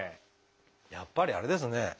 やっぱりあれですね